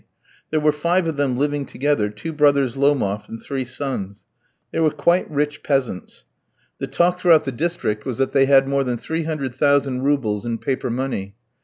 There were five of them living together, two brothers Lomof, and three sons. They were quite rich peasants; the talk throughout the district was that they had more than 300,000 roubles in paper money.